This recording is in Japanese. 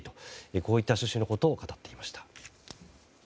こういった趣旨のことを語っていました。